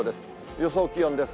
予想気温です。